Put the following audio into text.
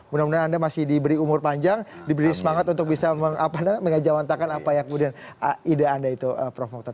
mudah mudahan anda masih diberi umur panjang diberi semangat untuk bisa mengejawantakan apa yang kemudian ide anda itu prof motor